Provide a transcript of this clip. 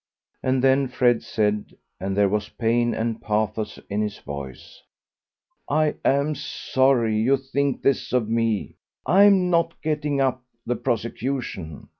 And then Fred said, and there was pain and pathos in his voice, "I am sorry you think this of me; I'm not getting up the prosecution.